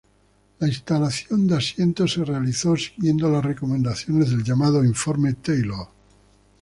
La instalación de asientos se realizó siguiendo las recomendaciones del llamado informe Taylor.